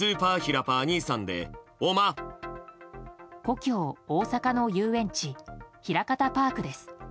故郷・大阪の遊園地ひらかたパークです。